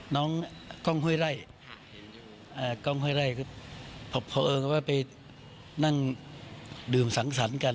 น้องกล้องห้วยไล่กล้องห้วยไล่เพราะเอิญก็ว่าไปนั่งดื่มสังสรรค์กัน